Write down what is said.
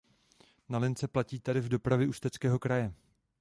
Na lince platí tarif Dopravy Ústeckého kraje.